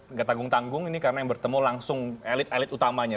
nggak tanggung tanggung ini karena yang bertemu langsung elit elit utamanya